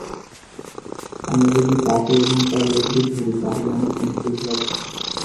আমরা যদি তাকে এবং তার লোকদের ধরি তাহলে আমরা কোনো ক্লু পাব।